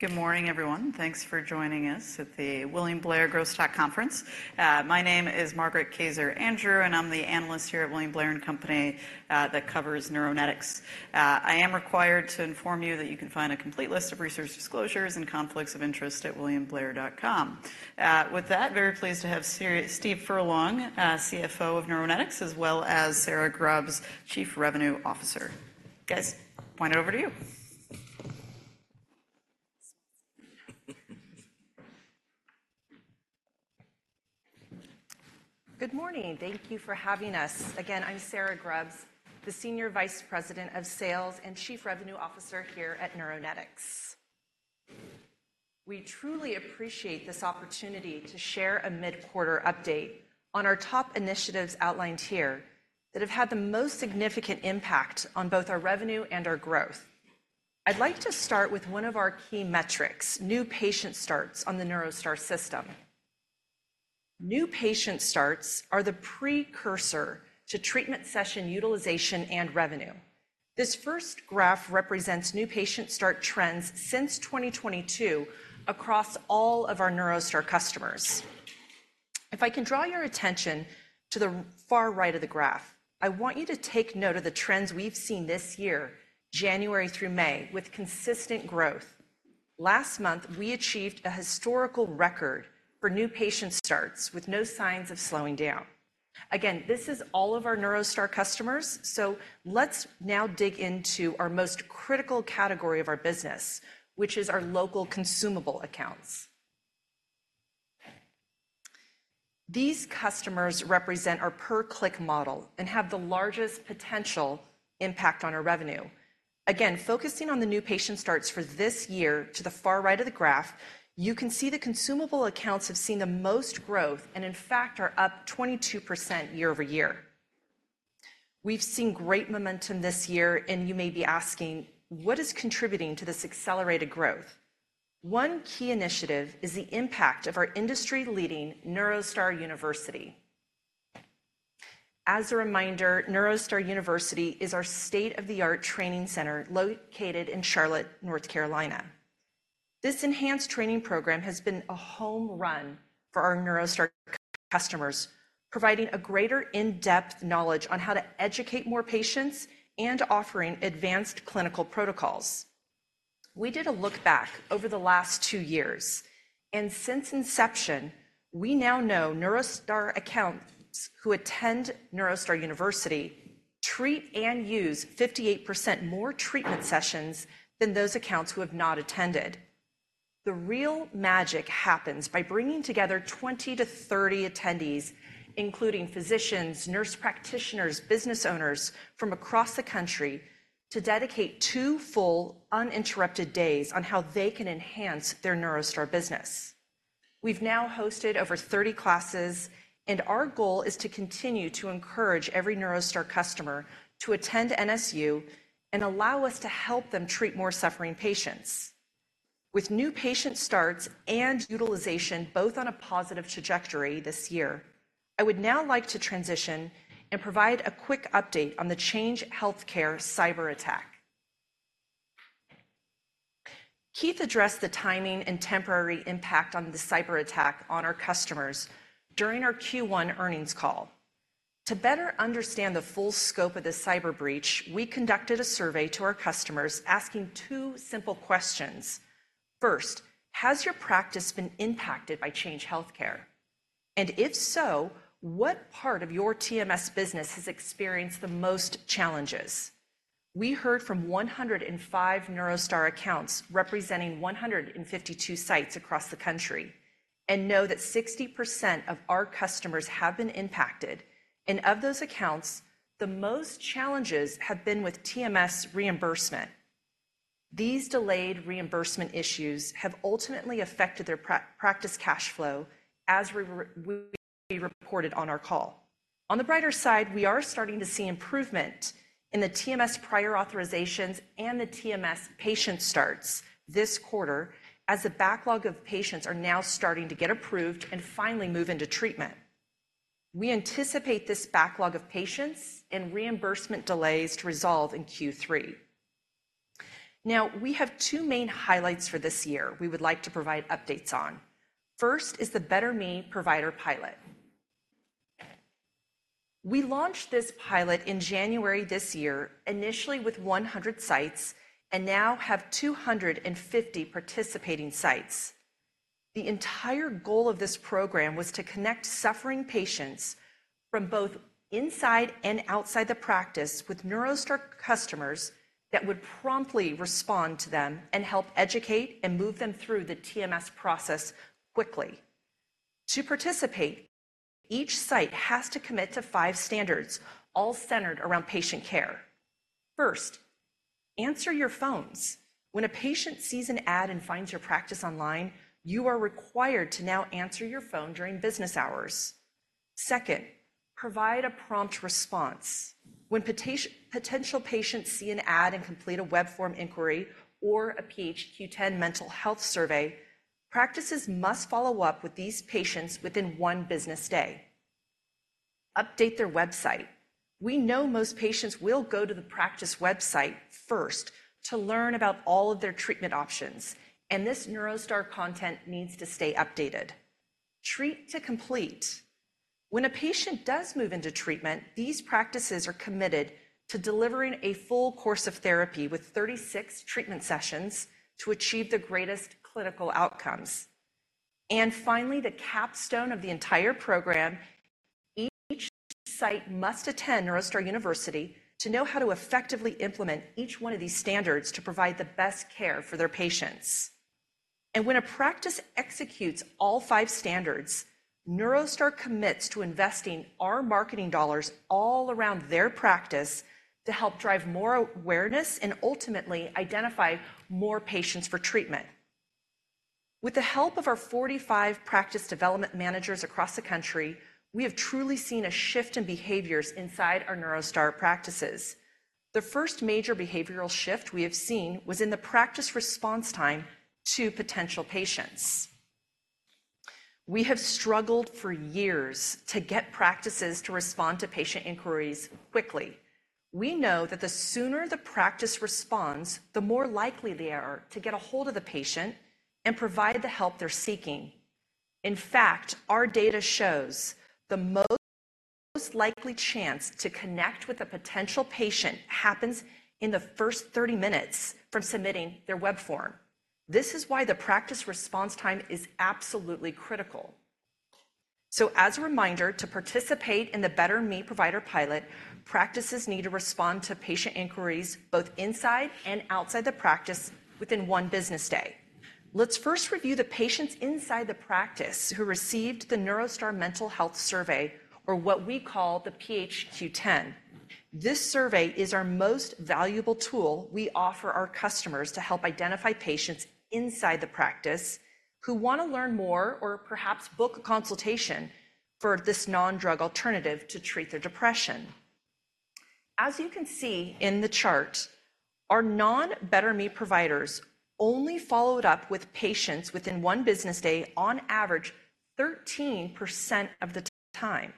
All right. Good morning, everyone. Thanks for joining us at the William Blair Growth Stock Conference. My name is Margaret Kaczor Andrew, and I'm the analyst here at William Blair & Company that covers Neuronetics. I am required to inform you that you can find a complete list of research disclosures and conflicts of interest at williamblair.com. With that, very pleased to have Steve Furlong, CFO of Neuronetics, as well as Sara Grubbs, Chief Revenue Officer. Guys, point it over to you. Good morning. Thank you for having us. Again, I'm Sara Grubbs, the Senior Vice President of Sales and Chief Revenue Officer here at Neuronetics. We truly appreciate this opportunity to share a mid-quarter update on our top initiatives outlined here that have had the most significant impact on both our revenue and our growth. I'd like to start with one of our key metrics, new patient starts on the NeuroStar system. New patient starts are the precursor to treatment session utilization and revenue. This first graph represents new patient start trends since 2022 across all of our NeuroStar customers. If I can draw your attention to the far right of the graph, I want you to take note of the trends we've seen this year, January through May, with consistent growth. Last month, we achieved a historical record for new patient starts, with no signs of slowing down. Again, this is all of our NeuroStar customers, so let's now dig into our most critical category of our business, which is our local consumable accounts. These customers represent our per-click model and have the largest potential impact on our revenue. Again, focusing on the new patient starts for this year to the far right of the graph, you can see the consumable accounts have seen the most growth, and in fact, are up 22% year-over-year. We've seen great momentum this year, and you may be asking: What is contributing to this accelerated growth? One key initiative is the impact of our industry-leading NeuroStar University. As a reminder, NeuroStar University is our state-of-the-art training center located in Charlotte, North Carolina. This enhanced training program has been a home run for our NeuroStar customers, providing a greater in-depth knowledge on how to educate more patients and offering advanced clinical protocols. We did a look back over the last two years, and since inception, we now know NeuroStar accounts who attend NeuroStar University treat and use 58% more treatment sessions than those accounts who have not attended. The real magic happens by bringing together 20-30 attendees, including physicians, nurse practitioners, business owners from across the country, to dedicate two full, uninterrupted days on how they can enhance their NeuroStar business. We've now hosted over 30 classes, and our goal is to continue to encourage every NeuroStar customer to attend NSU and allow us to help them treat more suffering patients. With new patient starts and utilization both on a positive trajectory this year, I would now like to transition and provide a quick update on the Change Healthcare cyberattack. Keith addressed the timing and temporary impact on the cyberattack on our customers during our Q1 earnings call. To better understand the full scope of this cyber breach, we conducted a survey to our customers asking two simple questions. First, has your practice been impacted by Change Healthcare? And if so, what part of your TMS business has experienced the most challenges? We heard from 105 NeuroStar accounts, representing 152 sites across the country, and know that 60% of our customers have been impacted, and of those accounts, the most challenges have been with TMS reimbursement. These delayed reimbursement issues have ultimately affected their practice cash flow, as we reported on our call. On the brighter side, we are starting to see improvement in the TMS prior authorizations and the TMS patient starts this quarter, as the backlog of patients are now starting to get approved and finally move into treatment. We anticipate this backlog of patients and reimbursement delays to resolve in Q3. Now, we have two main highlights for this year we would like to provide updates on. First is the Better Me Provider Pilot. We launched this pilot in January this year, initially with 100 sites, and now have 250 participating sites. The entire goal of this program was to connect suffering patients from both inside and outside the practice with NeuroStar customers that would promptly respond to them and help educate and move them through the TMS process quickly. To participate, each site has to commit to five standards, all centered around patient care. First, answer your phones. When a patient sees an ad and finds your practice online, you are required to now answer your phone during business hours. Second, provide a prompt response. When potential patients see an ad and complete a web form inquiry or a PHQ-10 mental health survey, practices must follow up with these patients within one business day. Update their website. We know most patients will go to the practice website first to learn about all of their treatment options, and this NeuroStar content needs to stay updated. Treat to complete. When a patient does move into treatment, these practices are committed to delivering a full course of therapy with 36 treatment sessions to achieve the greatest clinical outcomes. And finally, the capstone of the entire program, each site must attend NeuroStar University to know how to effectively implement each one of these standards to provide the best care for their patients. And when a practice executes all five standards, NeuroStar commits to investing our marketing dollars all around their practice to help drive more awareness and ultimately identify more patients for treatment. With the help of our 45 practice development managers across the country, we have truly seen a shift in behaviors inside our NeuroStar practices. The first major behavioral shift we have seen was in the practice response time to potential patients. We have struggled for years to get practices to respond to patient inquiries quickly. We know that the sooner the practice responds, the more likely they are to get a hold of the patient and provide the help they're seeking. In fact, our data shows the most likely chance to connect with a potential patient happens in the first 30 minutes from submitting their web form. This is why the practice response time is absolutely critical. So as a reminder, to participate in the Better Me Provider Pilot, practices need to respond to patient inquiries, both inside and outside the practice, within one business day. Let's first review the patients inside the practice who received the NeuroStar Mental Health Survey, or what we call the PHQ-10. This survey is our most valuable tool we offer our customers to help identify patients inside the practice who want to learn more or perhaps book a consultation for this non-drug alternative to treat their depression. As you can see in the chart, our non-Better Me Providers only followed up with patients within one business day on average, 13% of the time.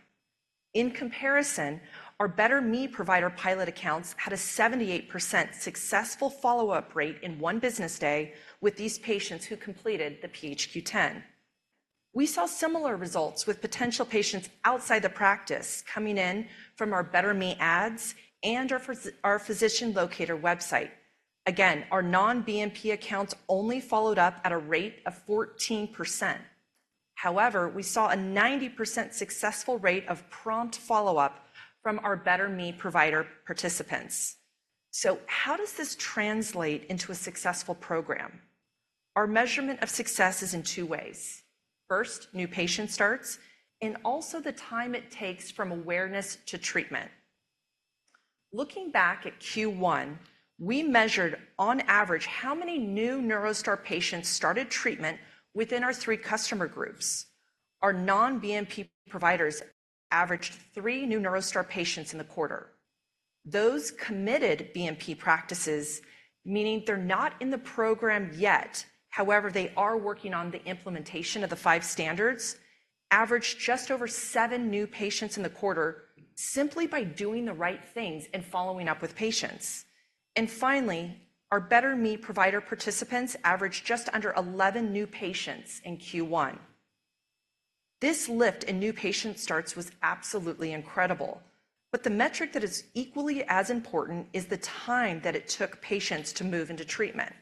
In comparison, our Better Me Provider Pilot accounts had a 78% successful follow-up rate in one business day with these patients who completed the PHQ-10. We saw similar results with potential patients outside the practice coming in from our Better Me ads and our physician locator website. Again, our non-BMP accounts only followed up at a rate of 14%. However, we saw a 90% successful rate of prompt follow-up from our Better Me Provider participants. So how does this translate into a successful program? Our measurement of success is in two ways: first, new patient starts, and also the time it takes from awareness to treatment. Looking back at Q1, we measured, on average, how many new NeuroStar patients started treatment within our three customer groups. Our non-BMP providers averaged three new NeuroStar patients in the quarter. Those committed BMP practices, meaning they're not in the program yet, however, they are working on the implementation of the five standards, averaged just over seven new patients in the quarter simply by doing the right things and following up with patients. Finally, our Better Me Provider participants averaged just under 11 new patients in Q1. This lift in new patient starts was absolutely incredible, but the metric that is equally as important is the time that it took patients to move into treatment.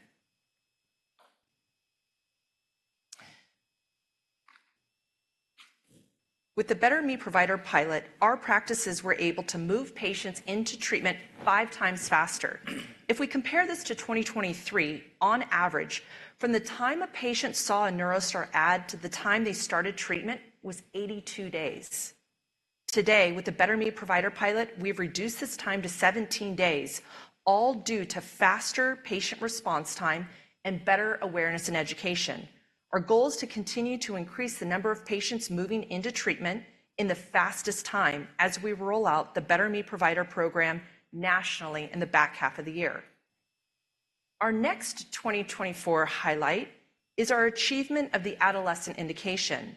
With the Better Me Provider Pilot, our practices were able to move patients into treatment 5x faster. If we compare this to 2023, on average, from the time a patient saw a NeuroStar ad to the time they started treatment was 82 days. Today, with the Better Me Provider Pilot, we've reduced this time to 17 days, all due to faster patient response time and better awareness and education. Our goal is to continue to increase the number of patients moving into treatment in the fastest time as we roll out the Better Me Provider Program nationally in the back half of the year. Our next 2024 highlight is our achievement of the adolescent indication.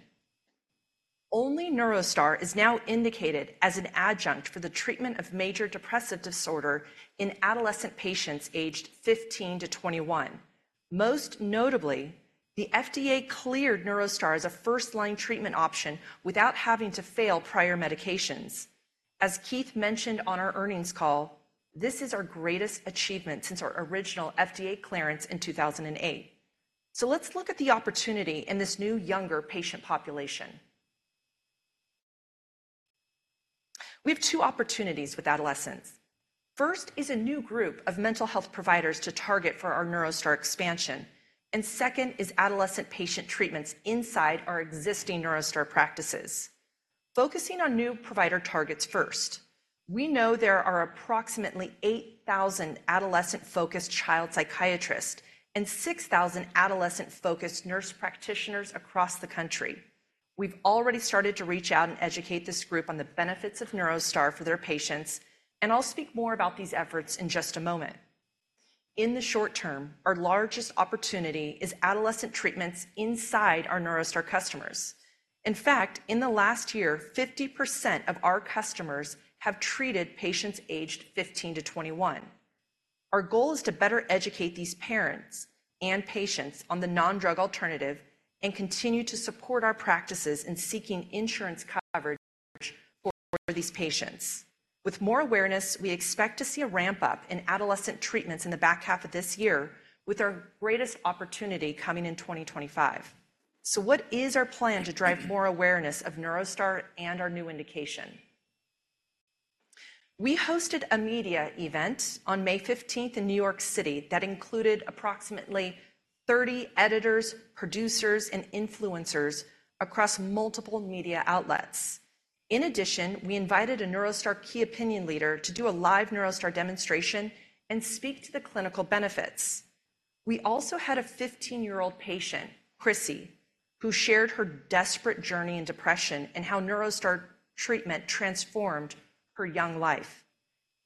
Only NeuroStar is now indicated as an adjunct for the treatment of major depressive disorder in adolescent patients aged 15-21. Most notably, the FDA cleared NeuroStar as a first-line treatment option without having to fail prior medications. As Keith mentioned on our earnings call, this is our greatest achievement since our original FDA clearance in 2008. So let's look at the opportunity in this new, younger patient population. We have two opportunities with adolescents. First is a new group of mental health providers to target for our NeuroStar expansion, and second is adolescent patient treatments inside our existing NeuroStar practices. Focusing on new provider targets first, we know there are approximately 8,000 adolescent-focused child psychiatrists and 6,000 adolescent-focused nurse practitioners across the country. We've already started to reach out and educate this group on the benefits of NeuroStar for their patients, and I'll speak more about these efforts in just a moment. In the short term, our largest opportunity is adolescent treatments inside our NeuroStar customers. In fact, in the last year, 50% of our customers have treated patients aged 15 to 21. Our goal is to better educate these parents and patients on the non-drug alternative and continue to support our practices in seeking insurance coverage for these patients. With more awareness, we expect to see a ramp-up in adolescent treatments in the back half of this year, with our greatest opportunity coming in 2025. So what is our plan to drive more awareness of NeuroStar and our new indication? We hosted a media event on May 15th in New York City that included approximately 30 editors, producers, and influencers across multiple media outlets. In addition, we invited a NeuroStar key opinion leader to do a live NeuroStar demonstration and speak to the clinical benefits. We also had a 15-year-old patient, Chrissy, who shared her desperate journey in depression and how NeuroStar treatment transformed her young life.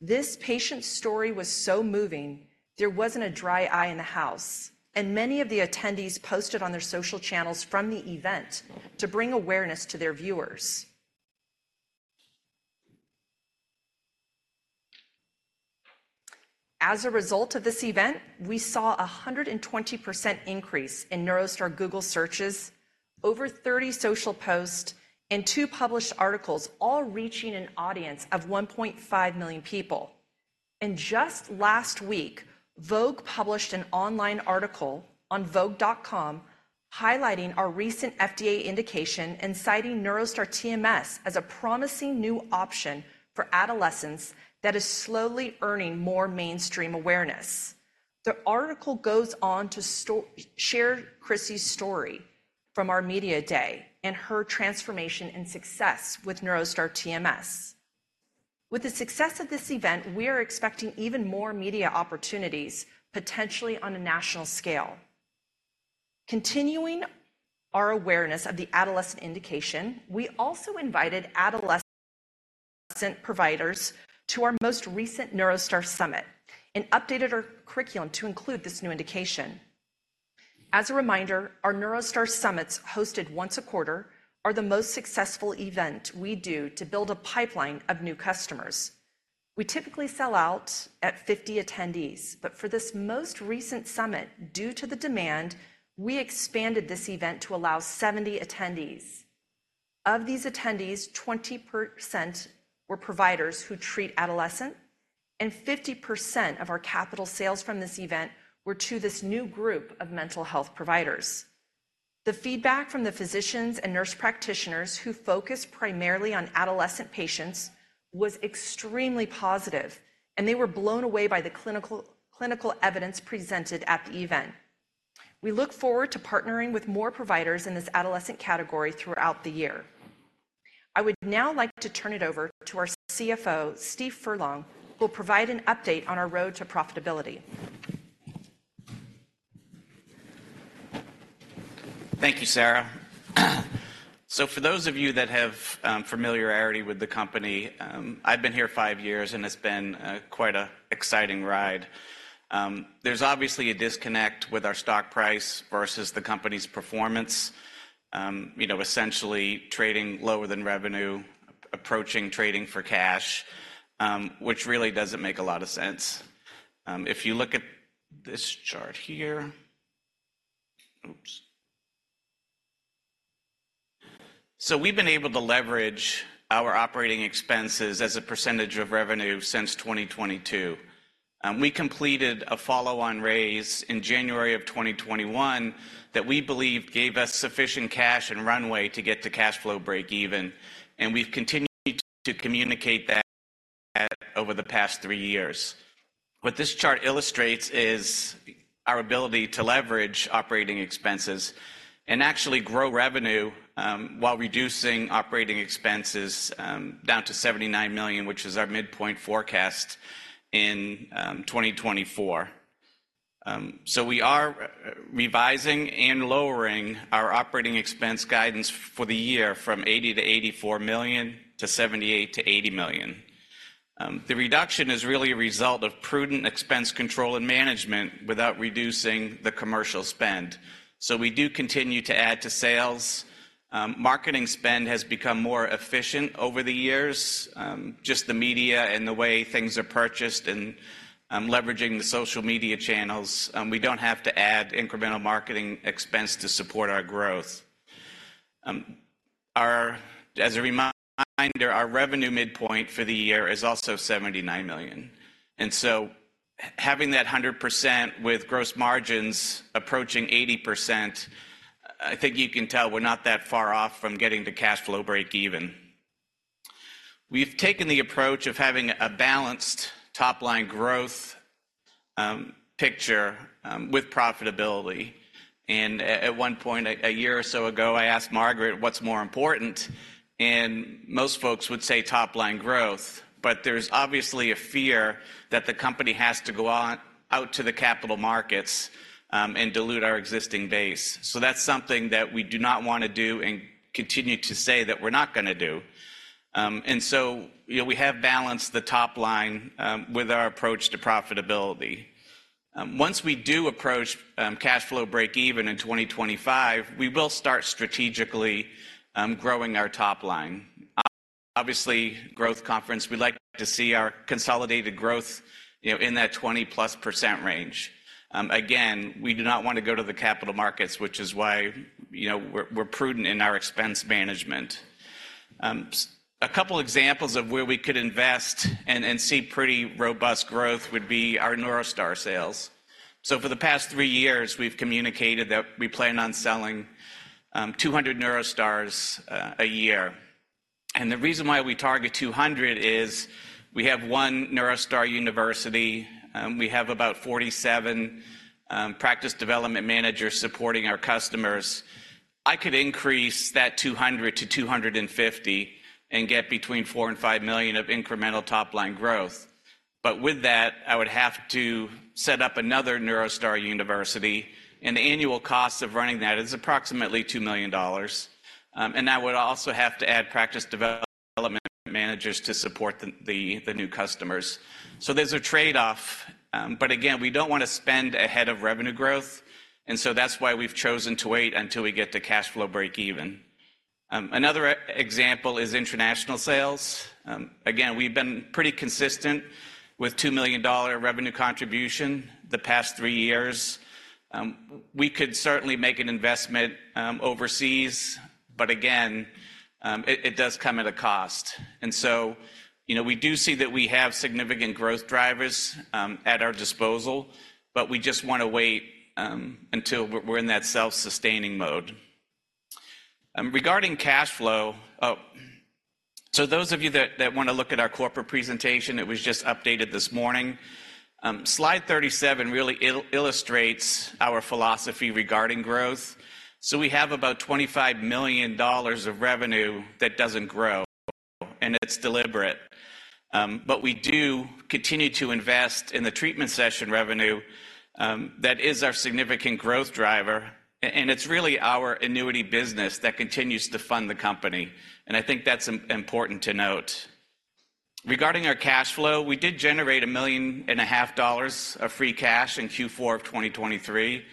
This patient's story was so moving, there wasn't a dry eye in the house, and many of the attendees posted on their social channels from the event to bring awareness to their viewers. As a result of this event, we saw a 120% increase in NeuroStar Google searches, over 30 social posts, and two published articles, all reaching an audience of 1.5 million people. Just last week, Vogue published an online article on vogue.com, highlighting our recent FDA indication and citing NeuroStar TMS as a promising new option for adolescents that is slowly earning more mainstream awareness. The article goes on to share Chrissy's story from our media day and her transformation and success with NeuroStar TMS. With the success of this event, we are expecting even more media opportunities, potentially on a national scale. Continuing our awareness of the adolescent indication, we also invited adolescent providers to our most recent NeuroStar Summit and updated our curriculum to include this new indication. As a reminder, our NeuroStar Summits, hosted once a quarter, are the most successful event we do to build a pipeline of new customers. We typically sell out at 50 attendees, but for this most recent summit, due to the demand, we expanded this event to allow 70 attendees. Of these attendees, 20% were providers who treat adolescent, and 50% of our capital sales from this event were to this new group of mental health providers. The feedback from the physicians and nurse practitioners who focus primarily on adolescent patients was extremely positive, and they were blown away by the clinical evidence presented at the event. We look forward to partnering with more providers in this adolescent category throughout the year. I would now like to turn it over to our CFO, Steve Furlong, who will provide an update on our road to profitability. Thank you, Sara. For those of you that have familiarity with the company, I've been here five years, and it's been quite an exciting ride. There's obviously a disconnect with our stock price versus the company's performance. You know, essentially trading lower than revenue, approaching trading for cash, which really doesn't make a lot of sense. If you look at this chart here... Oops. We've been able to leverage our operating expenses as a percentage of revenue since 2022. We completed a follow-on raise in January of 2021 that we believe gave us sufficient cash and runway to get to cash flow breakeven, and we've continued to communicate that over the past three years. What this chart illustrates is our ability to leverage operating expenses and actually grow revenue, while reducing operating expenses, down to $79 million, which is our midpoint forecast in 2024. So we are revising and lowering our operating expense guidance for the year from $80 million-$84 million to $78million-$80 million. The reduction is really a result of prudent expense control and management without reducing the commercial spend. So we do continue to add to sales. Marketing spend has become more efficient over the years, just the media and the way things are purchased and leveraging the social media channels. We don't have to add incremental marketing expense to support our growth. As a reminder, our revenue midpoint for the year is also $79 million, and so having that 100% with gross margins approaching 80%, I think you can tell we're not that far off from getting to cash flow breakeven. We've taken the approach of having a balanced top-line growth picture with profitability, and at one point, a year or so ago, I asked Margaret, "What's more important?" And most folks would say top-line growth, but there's obviously a fear that the company has to go out to the capital markets and dilute our existing base. So that's something that we do not wanna do and continue to say that we're not gonna do. And so, you know, we have balanced the top line with our approach to profitability.... Once we do approach cash flow breakeven in 2025, we will start strategically growing our top line. Obviously, growth conference, we'd like to see our consolidated growth, you know, in that 20%+ range. Again, we do not want to go to the capital markets, which is why, you know, we're prudent in our expense management. A couple examples of where we could invest and see pretty robust growth would be our NeuroStar sales. So for the past three years, we've communicated that we plan on selling 200 NeuroStars a year. And the reason why we target 200 is we have one NeuroStar University, we have about 47 practice development managers supporting our customers. I could increase that 200 to 250 and get between $4 million and $5 million of incremental top-line growth. But with that, I would have to set up another NeuroStar University, and the annual cost of running that is approximately $2 million. And I would also have to add practice development managers to support the new customers. So there's a trade-off, but again, we don't wanna spend ahead of revenue growth, and so that's why we've chosen to wait until we get to cash flow breakeven. Another example is international sales. Again, we've been pretty consistent with $2 million revenue contribution the past three years. We could certainly make an investment overseas, but again, it does come at a cost. So, you know, we do see that we have significant growth drivers at our disposal, but we just wanna wait until we're in that self-sustaining mode. Regarding cash flow. Oh, so those of you that wanna look at our corporate presentation, it was just updated this morning. Slide 37 really illustrates our philosophy regarding growth. So we have about $25 million of revenue that doesn't grow, and it's deliberate. But we do continue to invest in the treatment session revenue that is our significant growth driver, and it's really our annuity business that continues to fund the company, and I think that's important to note. Regarding our cash flow, we did generate $1.5 million of free cash in Q4 of 2023.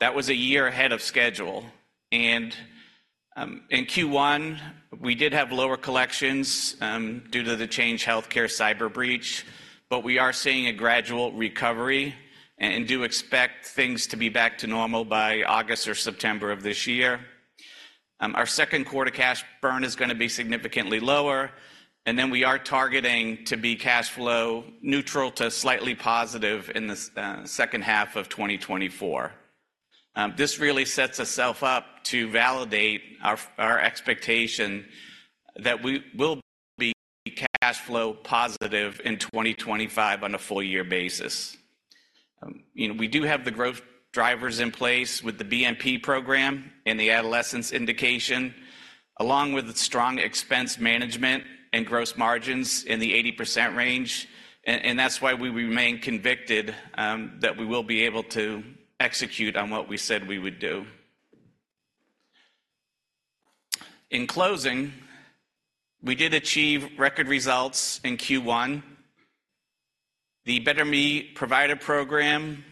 That was a year ahead of schedule. In Q1, we did have lower collections due to the Change Healthcare cyber breach, but we are seeing a gradual recovery and do expect things to be back to normal by August or September of this year. Our second quarter cash burn is gonna be significantly lower, and then we are targeting to be cash flow neutral to slightly positive in the second half of 2024. This really sets ourself up to validate our expectation that we will be cash flow positive in 2025 on a full year basis. You know, we do have the growth drivers in place with the BMP program and the adolescent indication, along with strong expense management and gross margins in the 80% range, and that's why we remain convicted that we will be able to execute on what we said we would do. In closing, we did achieve record results in Q1. The Better Me Provider Program,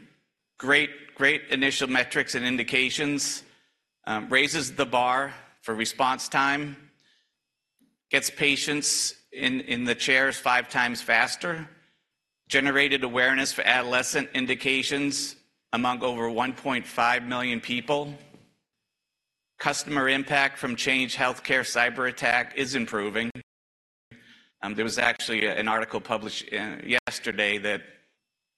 great, great initial metrics and indications, raises the bar for response time, gets patients in the chairs five times faster, generated awareness for adolescent indications among over 1.5 million people. Customer impact from Change Healthcare cyberattack is improving. There was actually an article published yesterday that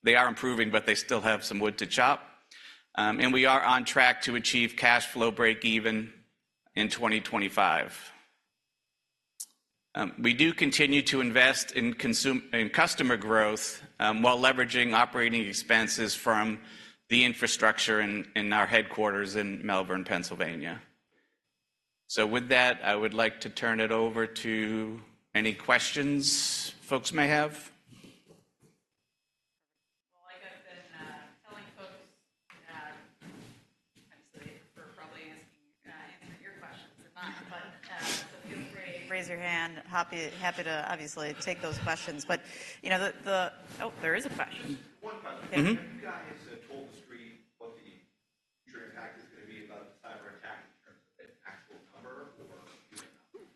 they are improving, but they still have some wood to chop. And we are on track to achieve cash flow breakeven in 2025. We do continue to invest in customer growth, while leveraging operating expenses from the infrastructure in our headquarters in Malvern, Pennsylvania. So with that, I would like to turn it over to any questions folks may have. Well, like I've been telling folks, obviously, we're probably answering your questions and not, but so feel free, raise your hand. Happy to obviously take those questions. But, you know, the... Oh, there is a question. Mm-hmm. Have you guys told the street what the future impact is gonna be about the cyberattack in terms of its actual number or you don't know?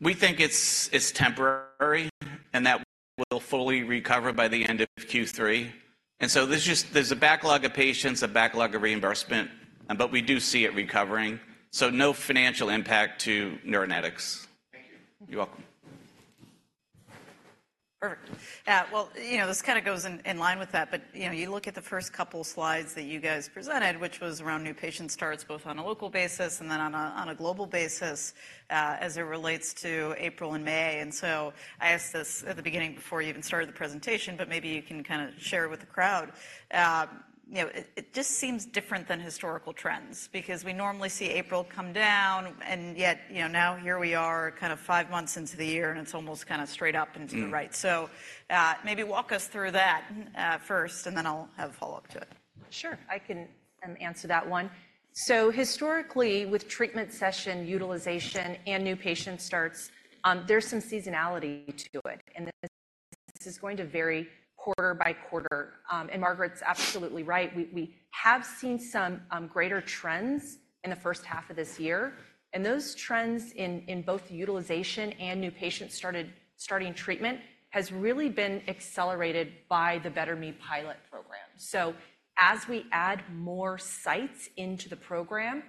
We think it's temporary and that we'll fully recover by the end of Q3. And so there's a backlog of patients, a backlog of reimbursement, but we do see it recovering. So no financial impact to Neuronetics. Thank you. You're welcome. Perfect. Well, you know, this kinda goes in line with that, but, you know, you look at the first couple slides that you guys presented, which was around new patient starts, both on a local basis and then on a global basis, as it relates to April and May. And so I asked this at the beginning before you even started the presentation, but maybe you can kinda share with the crowd. You know, it just seems different than historical trends because we normally see April come down, and yet, you know, now here we are, kind of five months into the year, and it's almost kinda straight up and to the right. Mm. So, maybe walk us through that, first, and then I'll have a follow-up to it. Sure, I can answer that one. So historically, with treatment session utilization and new patient starts, there's some seasonality to it, and this-... This is going to vary quarter by quarter. And Margaret's absolutely right. We have seen some greater trends in the first half of this year, and those trends in both the utilization and new patients starting treatment has really been accelerated by the Better Me Pilot Program. So as we add more sites into the program,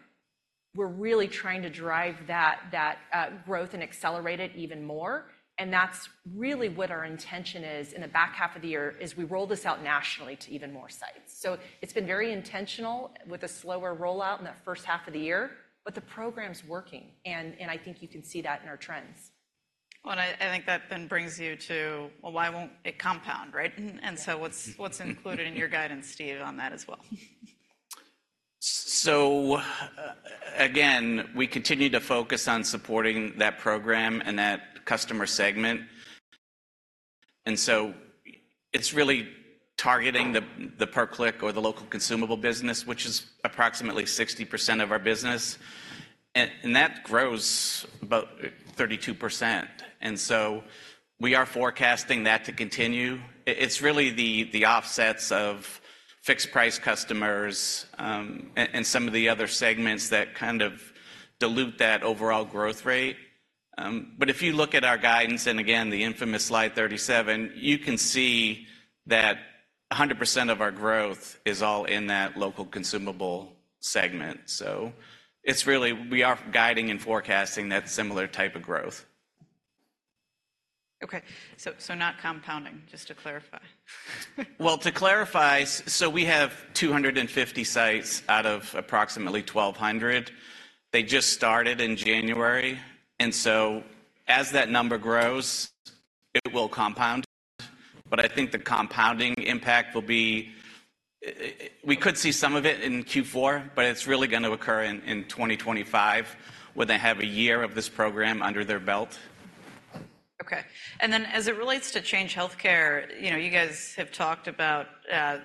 we're really trying to drive that growth and accelerate it even more, and that's really what our intention is in the back half of the year, is we roll this out nationally to even more sites. So it's been very intentional with a slower rollout in that first half of the year, but the program's working, and I think you can see that in our trends. Well, and I think that then brings you to, well, why won't it compound, right? And so what's included in your guidance, Steve, on that as well? So, again, we continue to focus on supporting that program and that customer segment. And so it's really targeting the per-click or the local consumable business, which is approximately 60% of our business, and that grows about 32%. And so we are forecasting that to continue. It's really the offsets of fixed-price customers, and some of the other segments that kind of dilute that overall growth rate. But if you look at our guidance, and again, the infamous Slide 37, you can see that 100% of our growth is all in that local consumable segment, so it's really we are guiding and forecasting that similar type of growth. Okay. So, so not compounding, just to clarify. Well, to clarify, we have 250 sites out of approximately 1,200. They just started in January, and so as that number grows, it will compound. But I think the compounding impact will be, we could see some of it in Q4, but it's really gonna occur in 2025, when they have a year of this program under their belt. Okay. And then, as it relates to Change Healthcare, you know, you guys have talked about,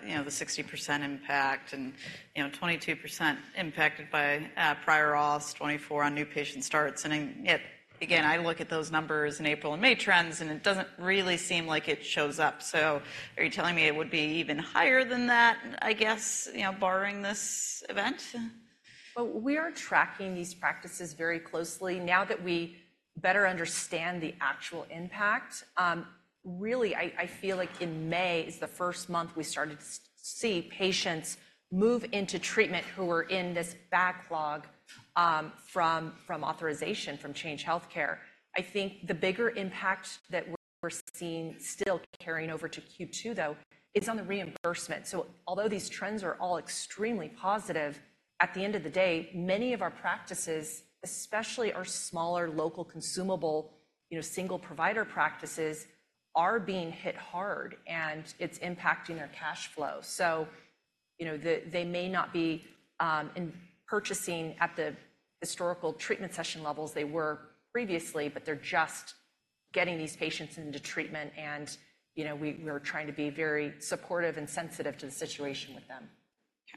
you know, the 60% impact and, you know, 22% impacted by, prior auths, 24% on new patient starts, and then, yet again, I look at those numbers in April and May trends, and it doesn't really seem like it shows up. So are you telling me it would be even higher than that, I guess, you know, barring this event? Well, we are tracking these practices very closely now that we better understand the actual impact. Really, I feel like in May is the first month we started to see patients move into treatment who were in this backlog, from authorization, from Change Healthcare. I think the bigger impact that we're seeing still carrying over to Q2, though, it's on the reimbursement. So although these trends are all extremely positive, at the end of the day, many of our practices, especially our smaller, local, consumable, you know, single-provider practices, are being hit hard, and it's impacting their cash flow. So, you know, they may not be in purchasing at the historical treatment session levels they were previously, but they're just getting these patients into treatment, and, you know, we're trying to be very supportive and sensitive to the situation with them.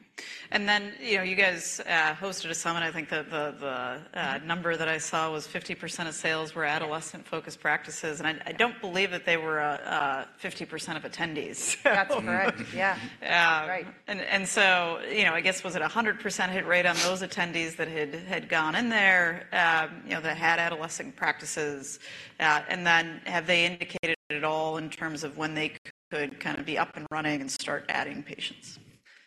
Okay. And then, you know, you guys hosted a summit. I think the number that I saw was 50% of sales were- Yeah -adolescent-focused practices, and I don't believe that they were 50% of attendees, so. That's correct. Yeah. Yeah. That's right. So, you know, I guess, was it 100% hit rate on those attendees that had gone in there, you know, that had adolescent practices? And then have they indicated at all in terms of when they could kind of be up and running and start adding patients?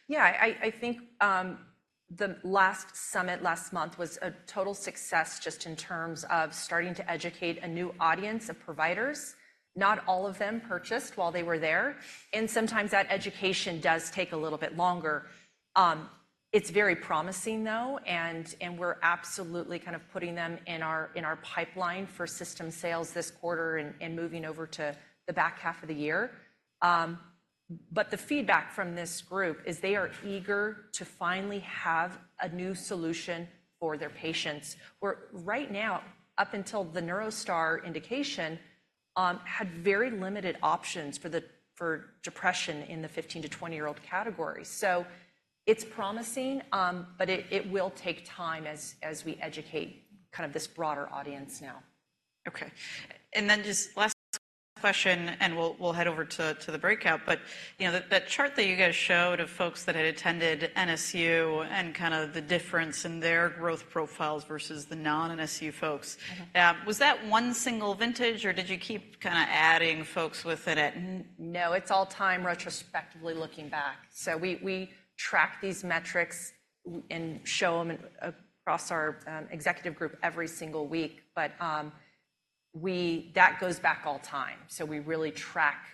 Yeah, I think the last summit last month was a total success just in terms of starting to educate a new audience of providers. Not all of them purchased while they were there, and sometimes that education does take a little bit longer. It's very promising, though, and we're absolutely kind of putting them in our pipeline for system sales this quarter and moving over to the back half of the year. But the feedback from this group is they are eager to finally have a new solution for their patients, where right now, up until the NeuroStar indication, had very limited options for depression in the 15- to 20-year-old category. So it's promising, but it will take time as we educate kind of this broader audience now. Okay. And then just last question, and we'll head over to the breakout. But, you know, that chart that you guys showed of folks that had attended NSU and kind of the difference in their growth profiles versus the non-NSU folks- Mm-hmm... was that one single vintage, or did you keep kinda adding folks within it? No, it's all-time retrospectively looking back. So we track these metrics and show them across our executive group every single week, but. That goes back all-time, so we really track...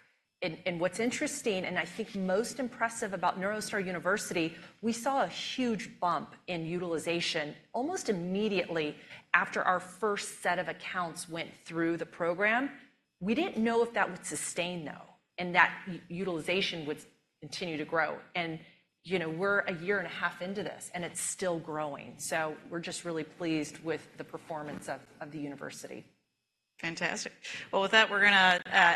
And what's interesting, and I think most impressive about NeuroStar University, we saw a huge bump in utilization almost immediately after our first set of accounts went through the program. We didn't know if that would sustain, though, and that utilization would continue to grow. And, you know, we're a year and a half into this, and it's still growing, so we're just really pleased with the performance of the university. Fantastic. Well, with that, we're gonna-